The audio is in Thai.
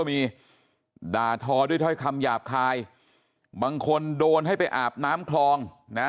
มีด่าทอด้วยถ้อยคำหยาบคายบางคนโดนให้ไปอาบน้ำคลองนะ